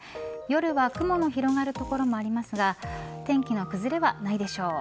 夜は雲の広がる所もありますが天気の崩れはないでしょう。